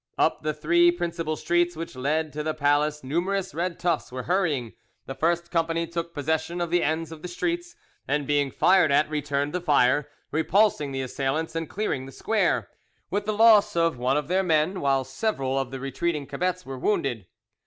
Up the three principal streets which led to the palace numerous red tufts were hurrying; the first company took possession of the ends of the streets, and being fired at returned the fire, repulsing the assailants and clearing the square, with the loss of one of their men, while several of the retreating cebets were wounded.